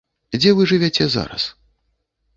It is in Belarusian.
Дзе вы жывяце зараз?